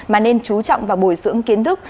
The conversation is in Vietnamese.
mà nên chú trọng và bồi dưỡng kiến thức